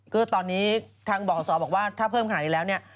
ก็ตอนนี้ทางบ่อขอสอบอกว่าถ้าเพิ่มขนาดนี้แล้วเนี่ย